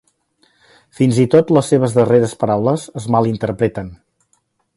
Fins i tot les seves darreres paraules es mal interpreten.